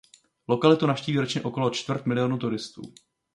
Lokalitu navštíví ročně okolo čtvrt milionu turistů.